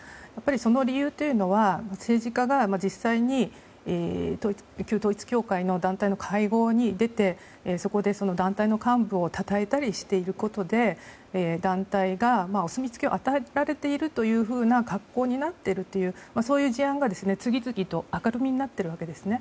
その理由というのは政治家が実際に旧統一教会の団体の会合に出てそこで、団体の幹部をたたえたりしていることで団体がお墨付きを与えられているというふうな格好になっているというそういう事案が次々と明るみになっているわけですね。